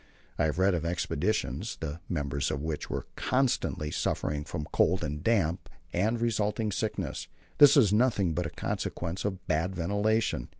I have read of expeditions, the members of which were constantly suffering from cold and damp and resulting sickness. This is nothing but a consequence of bad ventilation.